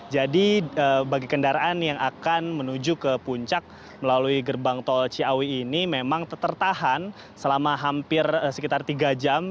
jadi bagi kendaraan yang akan menuju ke puncak melalui gerbang tol ciawi ini memang tertahan selama hampir sekitar tiga jam